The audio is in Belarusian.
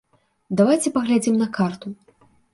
Давайце паглядзім на карту.